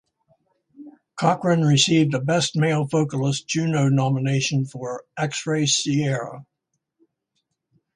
Cochrane received a Best Male Vocalist Juno nomination for "Xray Sierra".